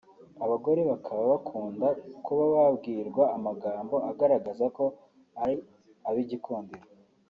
Abagore bakaba bakunda kuba babwirwa amagambo agaragaza ko ari abigikundiro